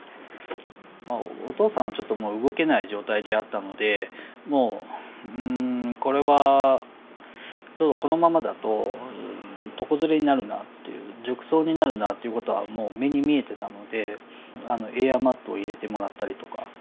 お父さんはちょっともう動けない状態であったのでもうこれはこのままだと床ずれになるなっていう褥瘡になるなっていうことはもう目に見えてたのでエアマットを入れてもらったりとか。